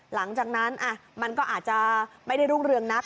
หลังจากนั้นมันก็อาจจะไม่ได้รุ่งเรืองนัก